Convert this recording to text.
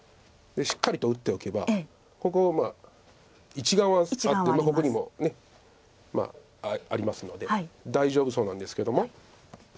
しっかりと打っておけばここ１眼はあってここにもありますので大丈夫そうなんですけども。